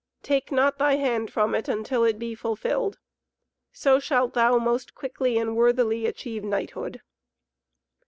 Take not thy hand from it until it be fulfilled. So shalt thou most quickly and worthily achieve knighthood."